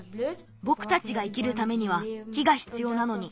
ぼくたちが生きるためには木がひつようなのに。